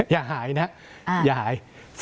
อย่าหายนะอย่าหาย